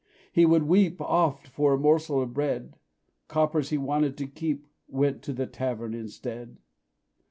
He would weep Oft for a morsel of bread; Coppers he wanted to keep Went to the tavern instead.